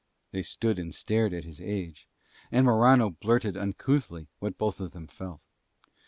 They stood and stared at his age, and Morano blurted uncouthly what both of them felt.